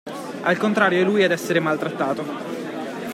Al contrario è lui ad essere maltrattato.